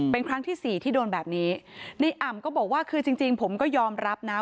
เป็นครั้งที่สี่ที่โดนแบบนี้ในอ่ำก็บอกว่าคือจริงจริงผมก็ยอมรับนะ